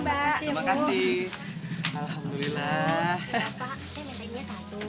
bapak saya minta ini satu